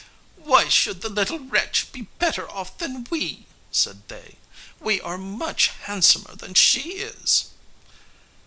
"Why should the little wretch be better off than we?" said they. "We are much handsomer than she is."